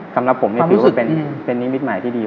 สำหรับผมนี่ถือว่าเป็นนิมิตหมายที่ดี